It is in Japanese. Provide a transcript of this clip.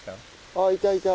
あっいたいた。